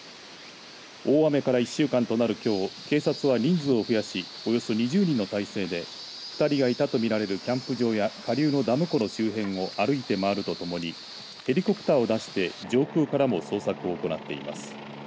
大雨から１週間となる、きょう警察は人数を増やしおよそ２０人の態勢で２人がいたと見られるキャンプ場や下流のダム湖の周辺を歩いて回るとともにヘリコプターを出して上空からも捜索を行っています。